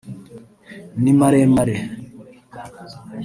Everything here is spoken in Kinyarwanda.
ni maremare